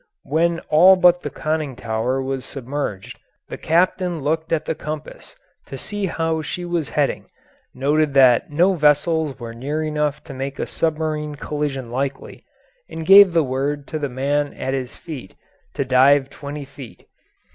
When all but the conning tower was submerged the captain looked at the compass to see how she was heading, noted that no vessels were near enough to make a submarine collision likely, and gave the word to the man at his feet to dive twenty feet.